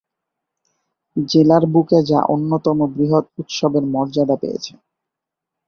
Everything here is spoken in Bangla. জেলার বুকে যা অন্যতম বৃহৎ উৎসবের মর্যাদা পেয়েছে।